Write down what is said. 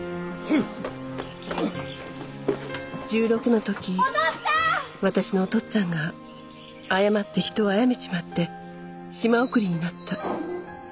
１６の時私のお父っつぁんが誤って人を殺めちまって島送りになった。